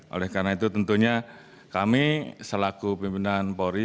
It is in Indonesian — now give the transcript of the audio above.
oleh karena itu tentunya kami selaku pimpinan polri